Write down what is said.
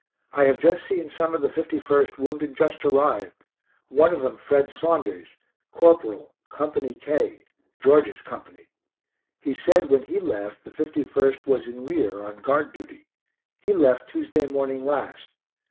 I have just seen some of the 51st wounded just arrived, one of them Fred Saunders, Corporal Co. K, George's company. He said when he left the 51st was in rear on guard duty. He left Tuesday morning last.